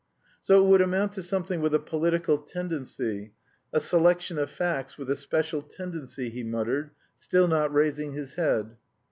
"So it would amount to something with a political tendency, a selection of facts with a special tendency," he muttered, still not raising his head.